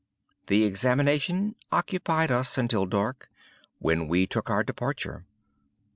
The examination occupied us until dark, when we took our departure.